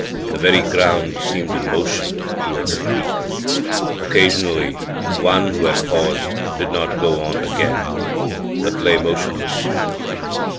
The very ground seemed in motion toward the creek. Occasionally one who had paused did not again go on, but lay motionless.